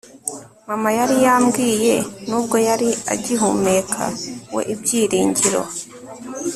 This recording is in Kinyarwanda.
mama yari yambwiye nubwo yari agihumeka we ibyiringiro